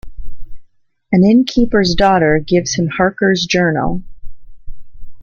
An innkeeper's daughter gives him Harker's journal.